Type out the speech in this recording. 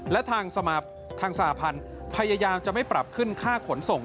และทางสหพันธ์พยายามจะไม่ปรับขึ้นค่าขนส่ง